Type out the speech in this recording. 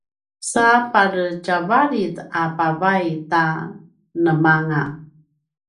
sa pare tjauvalit a pavay ta nemanga